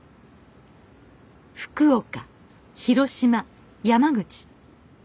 福岡広島山口。